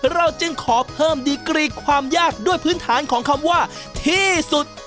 เราจึงขอเพิ่มดีกรีความยากด้วยพื้นฐานของคำว่าที่สุด